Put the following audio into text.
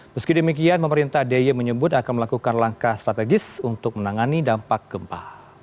meski demikian pemerintah d i e menyebut akan melakukan langkah strategis untuk menangani dampak gempa